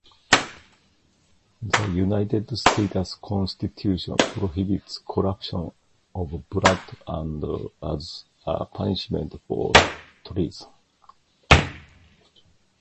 The United States Constitution prohibits corruption of blood as a punishment for treason.